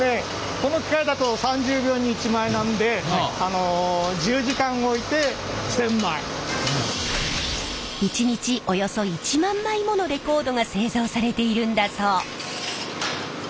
この機械だと３０秒に１枚なんで１日およそ１万枚ものレコードが製造されているんだそう。